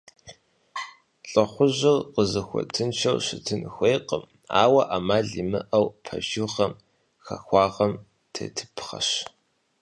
Лӏыхъужьыр къызыхуэтыншэу щытын хуейкъым, ауэ ӏэмал имыӏэу пэжыгъэм, хахуагъэм тетыпхъэщ.